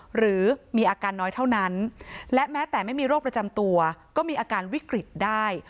หรือมีอาการน้อยเท่านั้นและแม้แต่ไม่มีโรคประจำตัวก็มีอาการวิกฤตได้